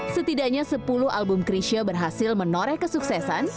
setidaknya sepuluh album krisha berhasil menoreh kesuksesan